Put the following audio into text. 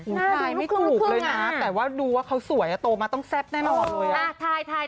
ทายไม่ถูกเลยนะแต่ว่าดูว่าเขาสวยโตมาต้องแซ่บแน่นอนเลย